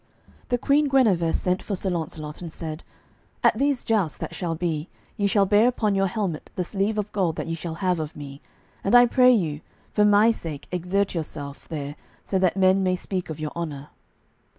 The Queen Guenever sent for Sir Launcelot, and said: "At these jousts that shall be ye shall bear upon your helmet the sleeve of gold that ye shall have of me, and I pray you, for my sake exert yourself there so that men may speak of your honour."